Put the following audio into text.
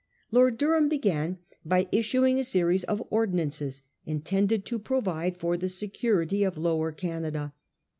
Lord Durham began by issuing a series of ordi nances intended to provide for the security of Lower Canada.